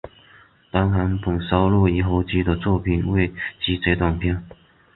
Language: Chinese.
单行本收录于合集的作品未集结短篇